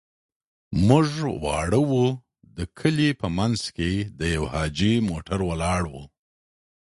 موږ واړه وو، د کلي په منځ کې د يوه حاجي موټر ولاړ و.